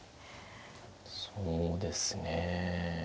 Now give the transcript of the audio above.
そうですね。